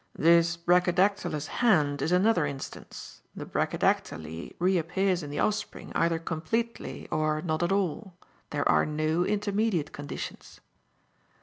This brachydactylous hand is another instance. The brachydactyly reappears in the offspring either completely or not at all. There are no intermediate conditions."